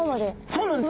そうなんです。